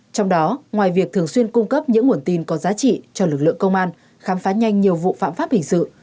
trong đó ngoài việc thường xuyên cung cấp những nguồn tin có giá trị cho lực lượng công an khám phá nhanh nhiều vụ phạm pháp hình sự